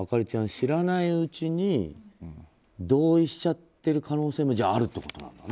知らないうちに同意しちゃってる可能性もあるってことなんだね。